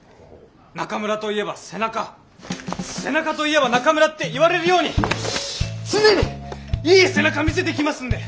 中村といえば背中背中といえば中村って言われるように常にいい背中見せていきますんで！